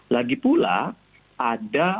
lagi pula ada